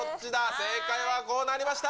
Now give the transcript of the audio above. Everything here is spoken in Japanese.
正解はこうなりました。